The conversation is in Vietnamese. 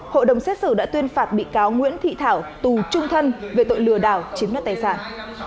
hội đồng xét xử đã tuyên phạt bị cáo nguyễn thị thảo tù trung thân về tội lừa đảo chiếm đất tài sản